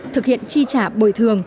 thực hiện chi trả bồi thường